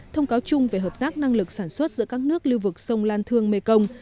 thông cáo chung về hợp tác năng lực sản xuất giữa các nước lưu vực sông lan thương mekong